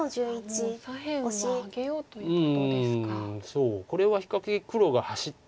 そうこれは比較的黒が走ってる。